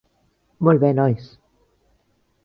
Molt bé, nois.